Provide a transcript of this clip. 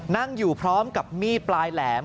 นั่งอยู่พร้อมกับมีดปลายแหลม